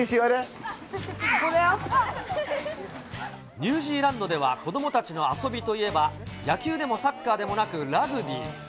ニュージーランドでは、子どもたちの遊びといえば、野球でもサッカーでもなくラグビー。